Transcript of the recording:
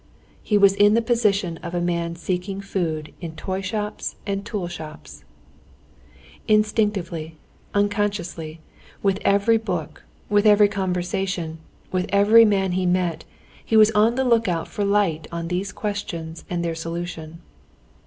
He was in the position of a man seeking food in toy shops and tool shops. Instinctively, unconsciously, with every book, with every conversation, with every man he met, he was on the lookout for light on these questions and their solution.